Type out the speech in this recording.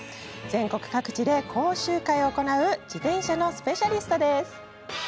全国各地で講習会を行う自転車のスペシャリストです。